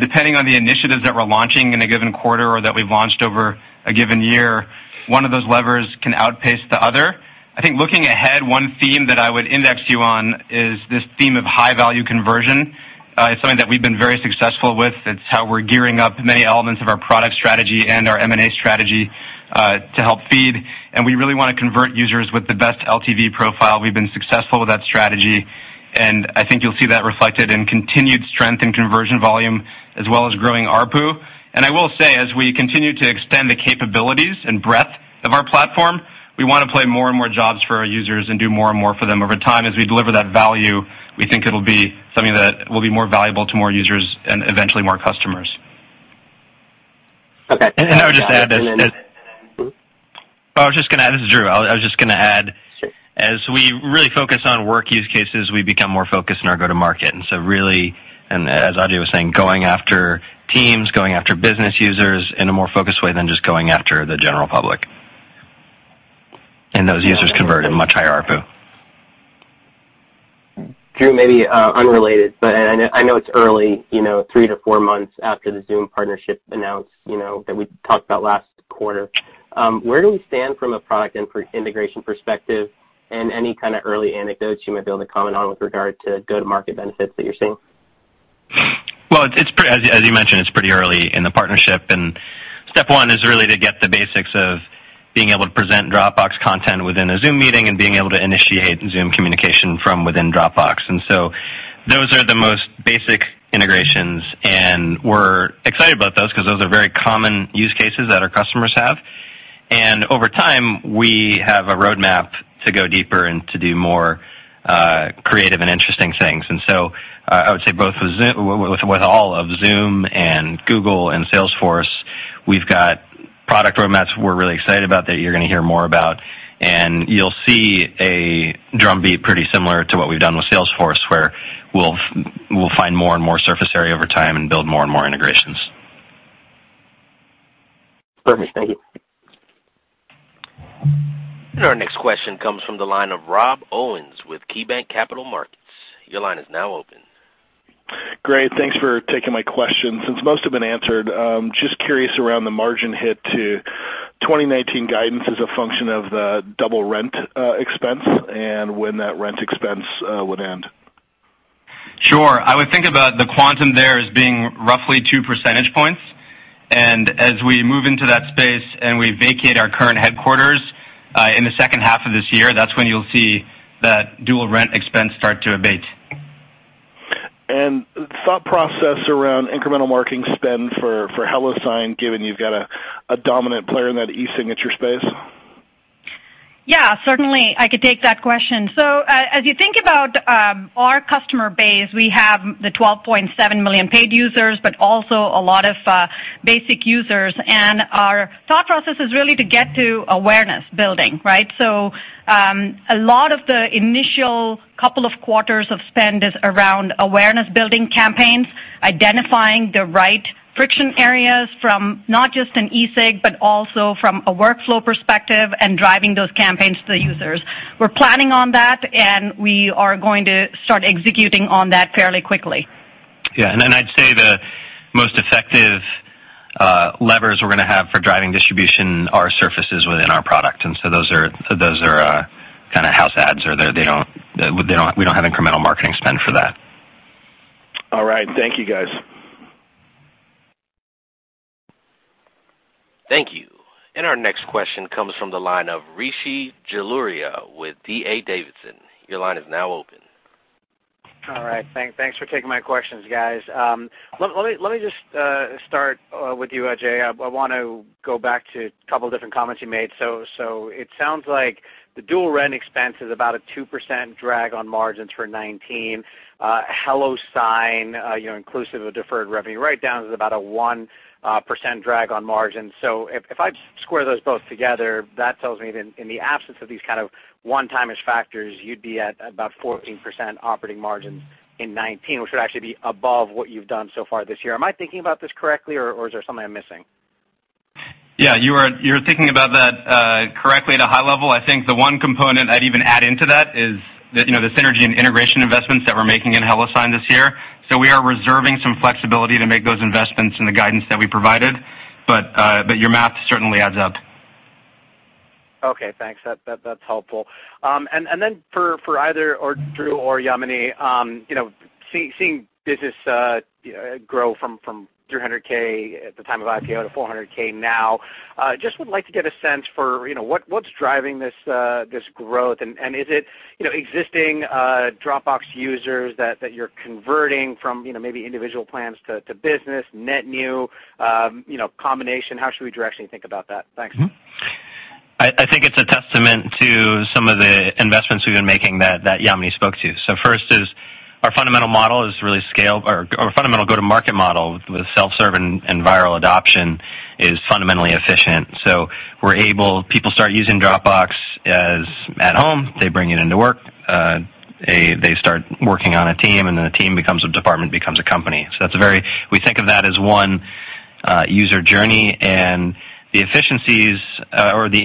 Depending on the initiatives that we're launching in a given quarter or that we've launched over a given year, one of those levers can outpace the other. I think looking ahead, one theme that I would index you on is this theme of high-value conversion. It's something that we've been very successful with. It's how we're gearing up many elements of our product strategy and our M&A strategy to help feed. We really want to convert users with the best LTV profile. We've been successful with that strategy. I think you'll see that reflected in continued strength in conversion volume, as well as growing ARPU. I will say, as we continue to extend the capabilities and breadth of our platform, we want to play more and more jobs for our users and do more and more for them over time. As we deliver that value, we think it'll be something that will be more valuable to more users and eventually more customers. Okay. I would just add that. Mm-hmm. I was just going to add, this is Drew. Sure. As we really focus on work use cases, we become more focused in our go to market. Really, and as Ajay was saying, going after teams, going after business users in a more focused way than just going after the general public. Those users convert at much higher ARPU. Drew, maybe unrelated, I know it's early, three to four months after the Zoom partnership announced, that we talked about last quarter. Where do we stand from a product and integration perspective and any kind of early anecdotes you might be able to comment on with regard to go-to-market benefits that you're seeing? Well, as you mentioned, it's pretty early in the partnership, step one is really to get the basics of being able to present Dropbox content within a Zoom meeting and being able to initiate Zoom communication from within Dropbox. Those are the most basic integrations, and we're excited about those because those are very common use cases that our customers have. Over time, we have a roadmap to go deeper and to do more creative and interesting things. I would say both with Zoom, with all of Zoom and Google and Salesforce, we've got product roadmaps we're really excited about that you're going to hear more about. You'll see a drumbeat pretty similar to what we've done with Salesforce, where we'll find more and more surface area over time and build more and more integrations. Perfect. Thank you. Our next question comes from the line of Rob Owens with KeyBanc Capital Markets. Your line is now open. Great. Thanks for taking my question. Since most have been answered, just curious around the margin hit to 2019 guidance as a function of the double rent expense and when that rent expense would end. Sure. I would think about the quantum there as being roughly two percentage points. As we move into that space and we vacate our current headquarters in the second half of this year, that's when you'll see that dual rent expense start to abate. Thought process around incremental marketing spend for HelloSign, given you've got a dominant player in that e-signature space. Yeah, certainly I could take that question. As you think about our customer base, we have the 12.7 million paid users, but also a lot of basic users. Our thought process is really to get to awareness building, right? A lot of the initial couple of quarters of spend is around awareness building campaigns, identifying the right friction areas from not just an e-sig, but also from a workflow perspective, and driving those campaigns to the users. We're planning on that, and we are going to start executing on that fairly quickly. Yeah. Then I'd say the most effective levers we're going to have for driving distribution are surfaces within our product. So those are kind of house ads. We don't have incremental marketing spend for that. All right. Thank you, guys. Thank you. Our next question comes from the line of Rishi Jaluria with D.A. Davidson. Your line is now open. All right. Thanks for taking my questions, guys. Let me just start with you, Ajay. I want to go back to a couple different comments you made. It sounds like the dual rent expense is about a 2% drag on margins for 2019. HelloSign, inclusive of deferred revenue write-down, is about a 1% drag on margin. If I square those both together, that tells me that in the absence of these kind of one-time-ish factors, you'd be at about 14% operating margin in 2019, which would actually be above what you've done so far this year. Am I thinking about this correctly or is there something I'm missing? Yeah, you are thinking about that correctly at a high level. I think the one component I'd even add into that is the synergy and integration investments that we're making in HelloSign this year. We are reserving some flexibility to make those investments in the guidance that we provided. Your math certainly adds up. Okay, thanks. That's helpful. For either or Drew or Yamini, seeing business grow from 300K at the time of IPO to 400K now, just would like to get a sense for what's driving this growth and is it existing Dropbox users that you're converting from maybe individual plans to business, net new, combination? How should we directionally think about that? Thanks. I think it's a testament to some of the investments we've been making that Yamini spoke to. First is our fundamental model is really scale. Our fundamental go-to-market model with self-serve and viral adoption is fundamentally efficient. We're able, people start using Dropbox at home. They bring it into work. They start working on a team, and then a team becomes a department, becomes a company. That's a very, we think of that as one user journey, and the efficiencies or the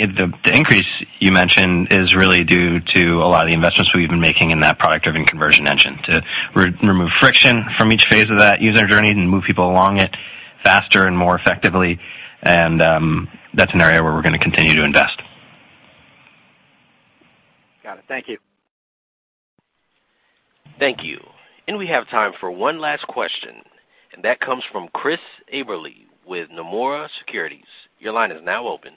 increase you mentioned is really due to a lot of the investments we've been making in that product-driven conversion engine to remove friction from each phase of that user journey and move people along it faster and more effectively. That's an area where we're going to continue to invest. Got it. Thank you. Thank you. We have time for one last question, and that comes from Christopher Eberle with Nomura Securities. Your line is now open.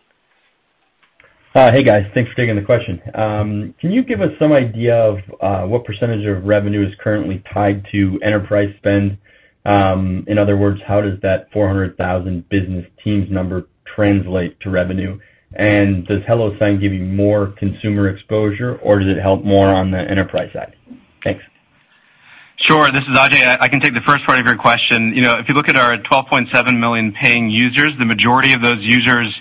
Hey guys, thanks for taking the question. Can you give us some idea of what % of revenue is currently tied to enterprise spend? In other words, how does that 400,000 business teams number translate to revenue? Does HelloSign give you more consumer exposure, or does it help more on the enterprise side? Thanks. Sure. This is Ajay. I can take the first part of your question. If you look at our 12.7 million paying users, the majority of those users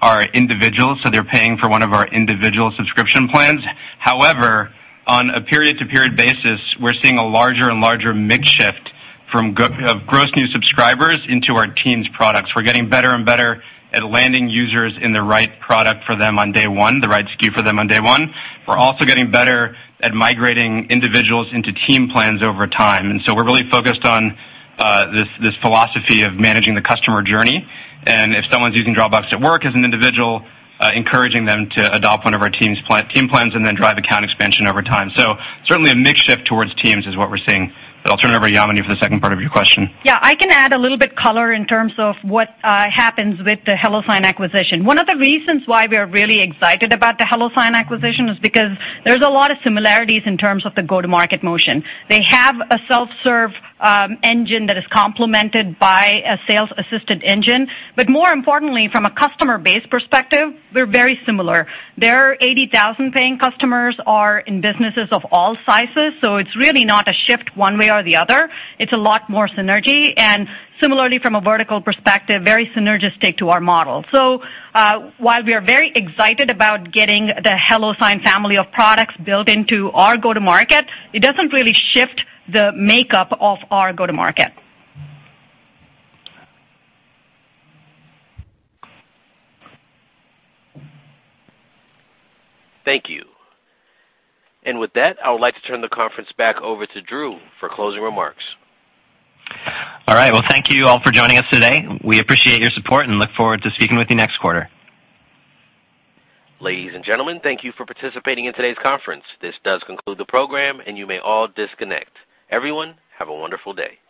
are individuals, so they're paying for one of our individual subscription plans. However, on a period-to-period basis, we're seeing a larger and larger mix shift of gross new subscribers into our teams products. We're getting better and better at landing users in the right product for them on day one, the right SKU for them on day one. We're also getting better at migrating individuals into team plans over time. We're really focused on this philosophy of managing the customer journey. If someone's using Dropbox at work as an individual, encouraging them to adopt one of our team plans and then drive account expansion over time. Certainly a mix shift towards teams is what we're seeing. I'll turn it over to Yamini for the second part of your question. I can add a little bit color in terms of what happens with the HelloSign acquisition. One of the reasons why we are really excited about the HelloSign acquisition is because there's a lot of similarities in terms of the go-to-market motion. They have a self-serve engine that is complemented by a sales-assisted engine. More importantly, from a customer base perspective, they're very similar. Their 80,000 paying customers are in businesses of all sizes, so it's really not a shift one way or the other. It's a lot more synergy, and similarly from a vertical perspective, very synergistic to our model. While we are very excited about getting the HelloSign family of products built into our go-to-market, it doesn't really shift the makeup of our go-to-market. Thank you. With that, I would like to turn the conference back over to Drew for closing remarks. All right. Thank you all for joining us today. We appreciate your support and look forward to speaking with you next quarter. Ladies and gentlemen, thank you for participating in today's conference. This does conclude the program, and you may all disconnect. Everyone, have a wonderful day.